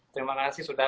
terima kasih sudah